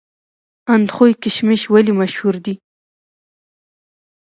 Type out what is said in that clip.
اندخوی کشمش ولې مشهور دي؟